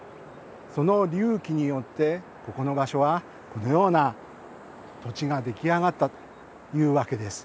その隆起によってここの場所はこのような土地が出来上がったというわけです。